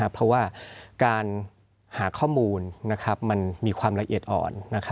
เพราะว่าการหาข้อมูลมันมีความละเอียดอ่อน